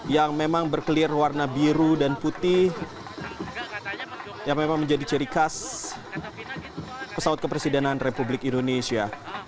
yang memang berkelir warna biru dan putih yang memang menjadi ciri khas pesawat kepresidenan republik indonesia